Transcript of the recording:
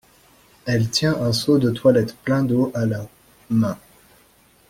Elle tient un seau de toilette plein d’eau à la. main.